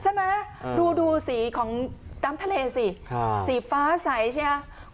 ใช่ไหมดูสีของน้ำทะเลสิสีฟ้าใสใช่ไหม